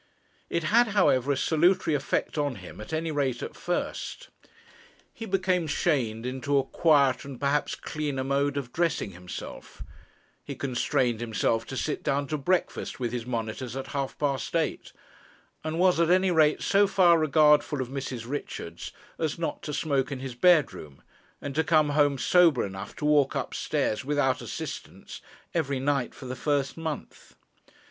It had, however, a salutary effect on him, at any rate at first. He became shamed into a quieter and perhaps cleaner mode of dressing himself; he constrained himself to sit down to breakfast with his monitors at half past eight, and was at any rate so far regardful of Mrs. Richards as not to smoke in his bedroom, and to come home sober enough to walk upstairs without assistance every night for the first month.